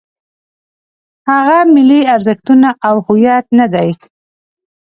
هغه ملي ارزښتونه او هویت نه دی.